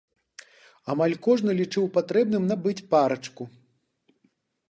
Амаль кожны лічыў патрэбным набыць парачку.